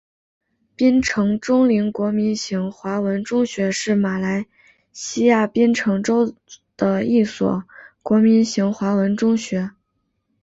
槟城锺灵国民型华文中学是马来西亚槟城州的一所国民型华文中学。